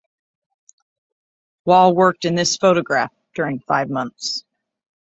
Wall worked in this photograph during five months.